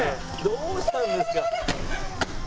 どうしたんですか？